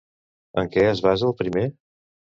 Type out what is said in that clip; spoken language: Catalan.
En què es basa el primer?